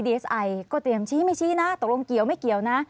เอสไอก็เตรียมชี้ไม่ชี้นะตกลงเกี่ยวไม่เกี่ยวนะ